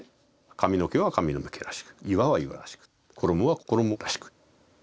髪の毛は髪の毛らしく岩は岩らしく衣は衣らしく。